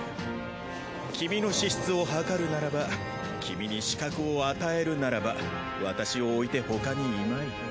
君の資質をはかるならば君に資格を与えるならば私を置いて他にいまい。